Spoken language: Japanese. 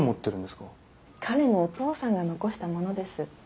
彼のお父さんが残したものです。